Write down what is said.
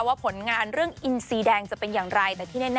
ว่าผลงานเรื่องอินสีแดงจะเป็นอย่างไร